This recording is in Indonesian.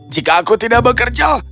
jika aku tidak bekerja